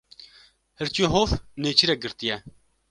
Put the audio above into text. Hirçê hov nêçîrek girtiye.